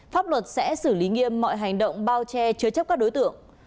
pháp luật sẽ xử lý nghiêm mọi hành động bao che chứa chấp các đối tượng